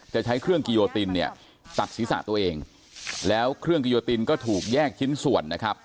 จะใช้เครื่องกิโยตินเนี่ยตัดศีรษะตัวเองแล้วเครื่องกิโยตินก็ถูกแยกชิ้นส่วนนะครับ